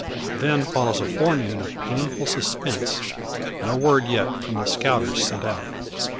Then follows a forenoon of painful suspense, no word yet from the scouters sent out.